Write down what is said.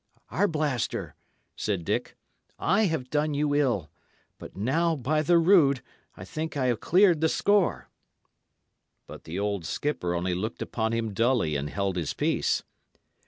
"Arblaster," said Dick, "I have done you ill; but now, by the rood, I think I have cleared the score." But the old skipper only looked upon him dully and held his peace.